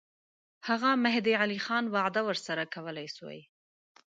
هغه مهدي علي خان وعده ورسره کولای سوای.